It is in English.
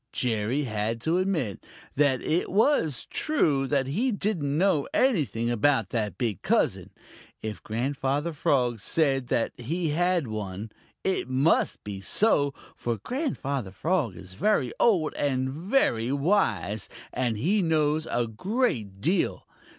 Jerry had to admit that it was true that he didn't know anything about that big cousin. If Grandfather Frog said that he had one, it must be so, for Grandfather Frog is very old and very wise, and he knows a great deal.